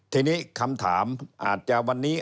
ทีนี้คำถามอาจจะวันนี้